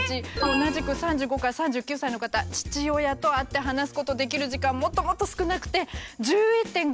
同じく３５から３９歳の方父親と会って話すことできる時間もっともっと少なくて１１．５日。